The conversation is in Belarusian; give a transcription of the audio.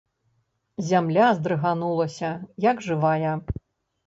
Зямля здрыганулася, як жывая.